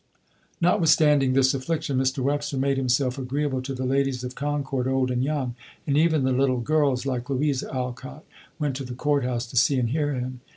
Notwithstanding this affliction, Mr. Webster made himself agreeable to the ladies of Concord, old and young, and even the little girls, like Louisa Alcott, went to the courthouse to see and hear him.